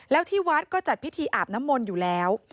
แล้วที่วัดก็จัดพิธีอาบน้ำมนต์อยู่แล้ว